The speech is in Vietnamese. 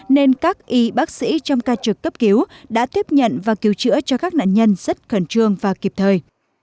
nên các y bác sĩ trong ca trực cấp cứu đã tiếp nhận và cứu chữa cho các nạn nhân rất khẩn trương và kịp thời